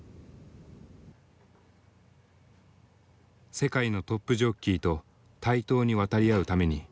世界のトップジョッキーと対等に渡り合うために。